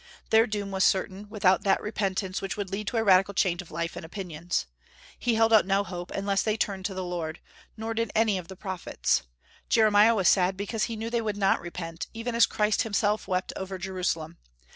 Their doom was certain, without that repentance which would lead to a radical change of life and opinions. He held out no hope unless they turned to the Lord; nor did any of the prophets. Jeremiah was sad because he knew they would not repent, even as Christ himself wept over Jerusalem.